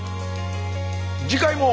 次回も。